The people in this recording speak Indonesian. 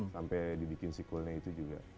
sampai dibikin sequelnya itu juga